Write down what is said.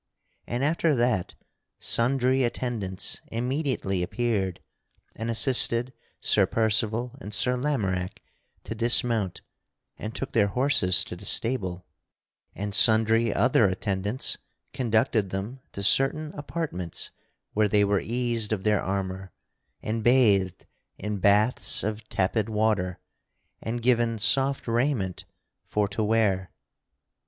And after that sundry attendants immediately appeared and assisted Sir Percival and Sir Lamorack to dismount and took their horses to the stable, and sundry other attendants conducted them to certain apartments where they were eased of their armor and bathed in baths of tepid water and given soft raiment for to wear.